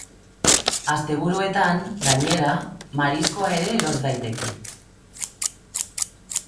Asteburuetan, gainera, mariskoa ere eros daiteke.